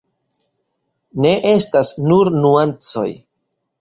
Ne estas nur nuancoj.